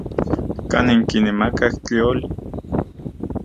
¿Kanin kinemakaj tlioli?